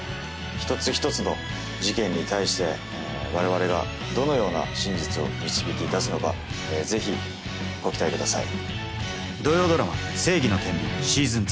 一つ一つの事件に対して我々がどのような真実を導き出すのか是非ご期待ください。